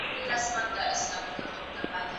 د واک مشروعيت د سياست اساس دی.